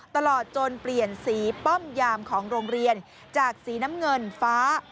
ตลอดจนเปลี่ยนสีป้อมยามของโรงเรียนจากสีน้ำเงินฟ้า